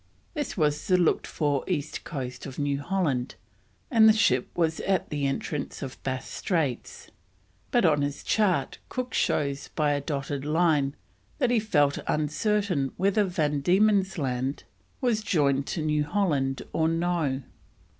This was the looked for east coast of New Holland, and the ship was at the entrance of Bass Straits, but on his chart Cook shows by a dotted line that he felt uncertain whether van Diemen's Land was joined to New Holland or no.